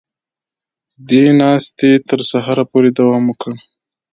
دې ناستې تر سهاره پورې دوام وکړ